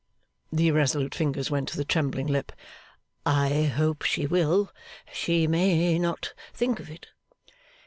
The irresolute fingers went to the trembling lip. 'I hope she will. She may not think of it.